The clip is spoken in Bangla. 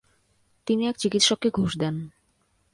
তিনি এক চিকিৎসককে ঘুষ দেন।